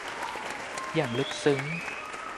อย่างลึกซึ้ง